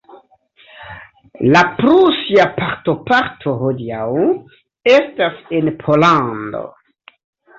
La prusia parto parto hodiaŭ estas en Pollando.